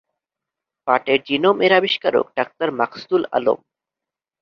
পাটের জিনোম এর আবিষ্কারক ডাক্তারমাকসুদুল আলম।